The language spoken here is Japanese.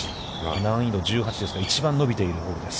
難易度１８ですから、一番伸びているホールです。